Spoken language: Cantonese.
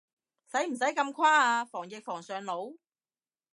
使唔使咁誇啊，防疫防上腦？